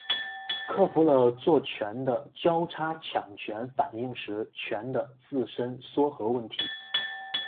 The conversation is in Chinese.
克服了做醛的交叉羟醛反应时醛的自身缩合问题。